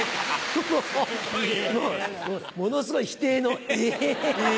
ものすごい否定の「えぇ」。